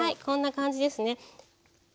こんな感じですね。